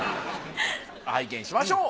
拝見しましょう。